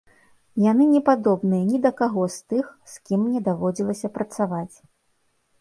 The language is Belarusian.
Яны не падобныя ні да каго з тых, з кім мне даводзілася працаваць.